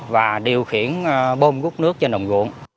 và điện thoại di động